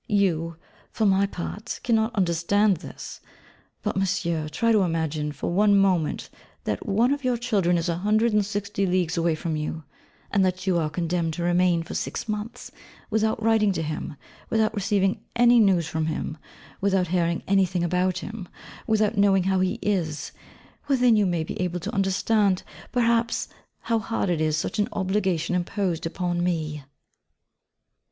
You, for your part, cannot understand this! But, Monsieur, try to imagine, for one moment, that one of your children is a hundred and sixty leagues away from you; and that you are condemned to remain for six months, without writing to him; without receiving any news from him; without hearing anything about him; without knowing how he is; well, then you may be able to understand, perhaps, how hard is such an obligation imposed upon me.